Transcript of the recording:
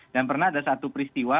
dan pernah ada satu peristiwa